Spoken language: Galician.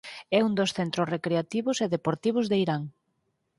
É un dos centros recreativos e deportivos de Irán.